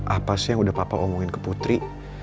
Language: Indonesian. apa sih yang udah papa omongin ke putri